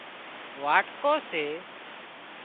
واٽڪو سي